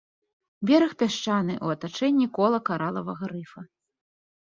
Бераг пясчаны, у атачэнні кола каралавага рыфа.